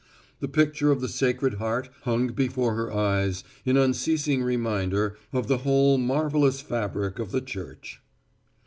The picture of the Sacred Heart hung before her eyes in unceasing reminder of the whole marvelous fabric of the Church.